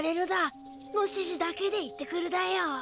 ノシシだけで行ってくるだよ。